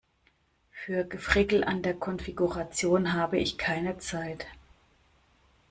Für Gefrickel an der Konfiguration habe ich keine Zeit.